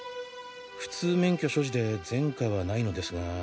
普通免許所持で前科はないのですが。